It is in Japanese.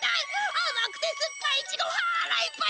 あまくてすっぱいいちごはらいっぱい